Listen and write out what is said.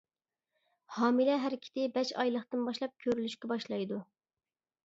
ھامىلە ھەرىكىتى بەش ئايلىقتىن باشلاپ كۆرۈلۈشكە باشلايدۇ.